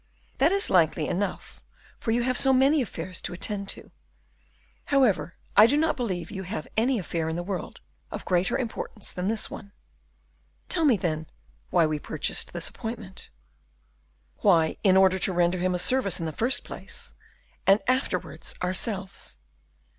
"That is likely enough, for you have so many affairs to attend to. However, I do not believe you have any affair in the world of greater importance than this one." "Tell me, then, why we purchased this appointment." "Why, in order to render him a service in the first place, and afterwards ourselves."